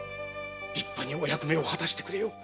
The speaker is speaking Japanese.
立派にお役目を果たしてくれよ。